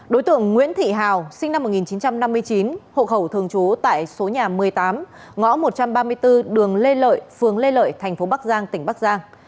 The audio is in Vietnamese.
đối tượng nguyễn thị hào sinh năm một nghìn chín trăm năm mươi chín hộ khẩu thường trú tại số nhà một mươi tám ngõ một trăm ba mươi bốn đường lê lợi phường lê lợi thành phố bắc giang tỉnh bắc giang